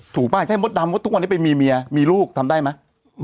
ป่ะใช่มดดำว่าทุกวันนี้ไปมีเมียมีลูกทำได้ไหม